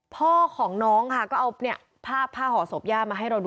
พ่อของน้องค่ะก็เอาภาพผ้าห่อศพย่ามาให้เราดู